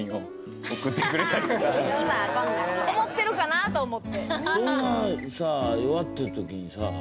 こもってるかなと思って。